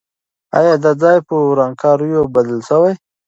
آیا دا ځای په ورانکاریو بدل سوی؟